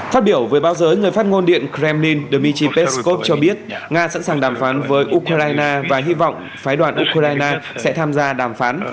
phát biểu với báo giới người phát ngôn điện kremlin dmitry peskov cho biết nga sẵn sàng đàm phán với ukraine và hy vọng phái đoàn ukraine sẽ tham gia đàm phán